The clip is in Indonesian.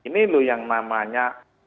ini yang namanya